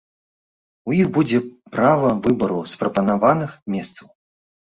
У іх будзе права выбару з прапанаваных месцаў.